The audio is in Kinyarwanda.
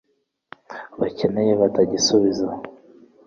barekeye, batagisubiza